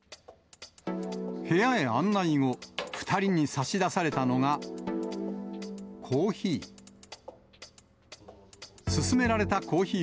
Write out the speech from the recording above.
部屋へ案内後、２人に差し出されたのが、コーヒー。